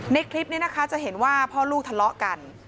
คลิปนี้นะคะจะเห็นว่าพ่อลูกทะเลาะกัน